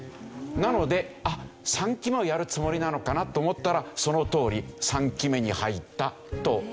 なので３期目をやるつもりなのかなと思ったらそのとおり３期目に入ったという事なんですよね。